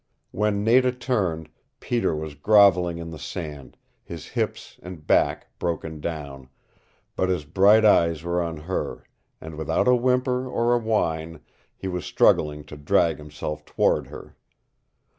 When Nada turned Peter was groveling in the sand, his hips and back broken down, but his bright eyes were on her, and without a whimper or a whine he was struggling to drag himself toward her.